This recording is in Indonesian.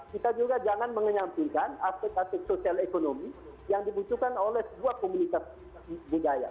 kita juga jangan menyampingkan aspek aspek sosial ekonomi yang dibutuhkan oleh sebuah komunitas budaya